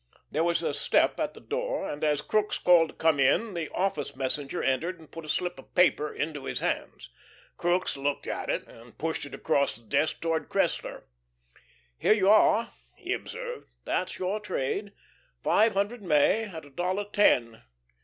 There was a step at the door, and as Crookes called to come in, the office messenger entered and put a slip of paper into his hands. Crookes looked at it, and pushed it across his desk towards Cressler. "Here you are," he observed. "That's your trade. Five hundred May, at a dollar ten.